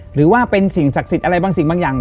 หรือว่าเป็นสิ่งศักดิ์สิทธิ์อะไรบางสิ่งบางอย่าง